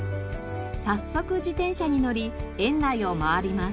早速自転車に乗り園内を回ります。